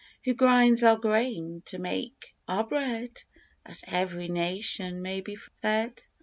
Who grinds our grain to make our bread, That every nation may be fed